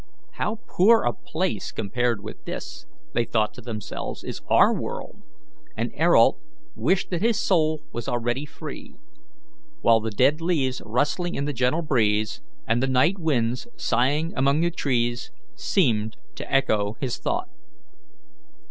"How poor a place compared with this," they thought to themselves, "is our world!" and Ayrault wished that his soul was already free; while the dead leaves rustling in the gentle breeze, and the nightwinds, sighing among the trees, seemed to echo his thought.